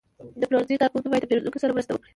د پلورنځي کارکوونکي باید د پیرودونکو سره مرسته وکړي.